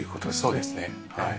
そうですねはい。